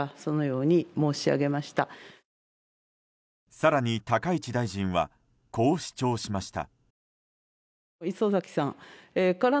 更に高市大臣はこう主張しました。